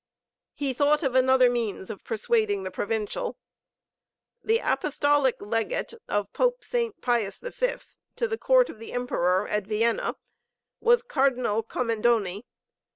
He thought of another means of persuading the Provincial. The Apostolic Legate of Pope Saint Pius V to the court of the Emperor at Vienna was Cardinal Commendoni.